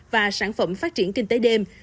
và sản phẩm phát triển kinh tế đêm